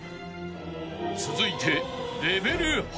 ［続いて］